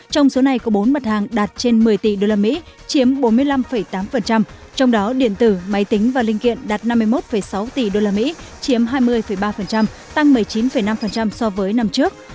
trong số này có bốn mặt hàng đạt trên một mươi tỷ usd chiếm bốn mươi năm tám trong đó điện tử máy tính và linh kiện đạt năm mươi một sáu tỷ usd chiếm hai mươi ba tăng một mươi chín năm so với năm trước